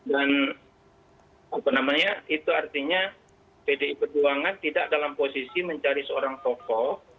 dan apa namanya itu artinya pdi perjuangan tidak dalam posisi mencari seorang tokoh